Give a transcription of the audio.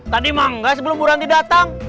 tadi mangga sebelum bu ranti datang